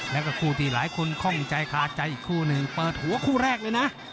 แล้วก็คู่ที่หลายคนคล่องใจคาใจอีกคู่หนึ่งเปิดหัวคู่แรกเลยนะ